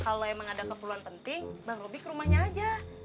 kalau emang ada keperluan penting bang roby ke rumahnya aja